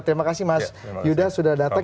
terima kasih mas yuda sudah datang